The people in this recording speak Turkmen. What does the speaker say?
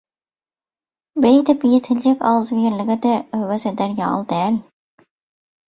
Beýdip ýetiljek agzybirlige-de höwes eder ýaly däl.